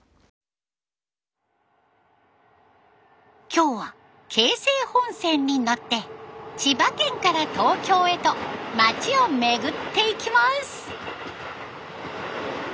今日は京成本線に乗って千葉県から東京へと町を巡っていきます。